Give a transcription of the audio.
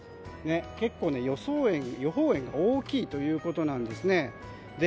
結構、予報円が大きいということなんですね。